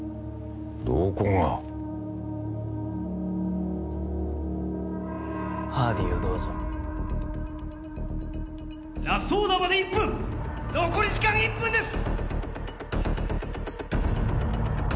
どこがハーディーをどうぞラストオーダーまで１分残り時間１分です！